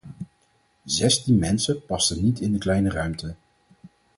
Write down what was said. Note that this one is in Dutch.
Zestien mensen pasten niet in de kleine ruimte.